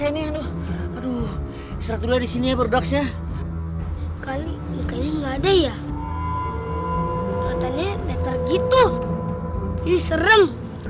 ini aduh aduh disini berdaksa kali kali enggak ada ya matanya begitu ini serem